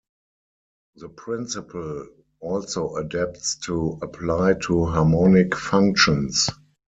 The principle also adapts to apply to harmonic functions.